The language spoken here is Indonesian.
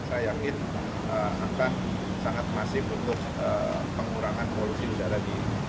saya yakin akan sangat masif untuk pengurangan polusi udara di